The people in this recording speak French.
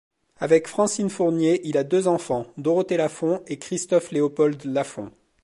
Avec Francine Fournier, il a deux enfants, Dorothée Lafont et Christophe Léopold Lafont.